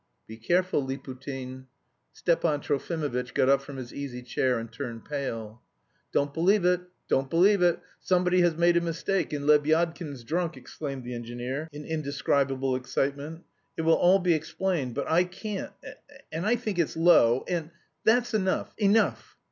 "Be careful, Liputin." Stepan Trofimovitch got up from his easy chair and turned pale. "Don't believe it, don't believe it! Somebody has made a mistake and Lebyadkin's drunk..." exclaimed the engineer in indescribable excitement. "It will all be explained, but I can't.... And I think it's low.... And that's enough, enough!"